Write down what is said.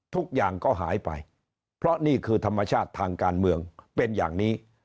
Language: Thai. ทุกอย่างก็หายไปเพราะนี่คือธรรมชาติทางการเมืองเป็นอย่างนี้